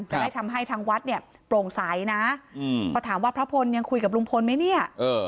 จะได้ทำให้ทางวัดเนี่ยโปร่งใสนะพอถามว่าพระพลยังคุยกับลุงพลไหมเนี่ย